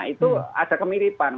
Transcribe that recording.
itu ada kemiripan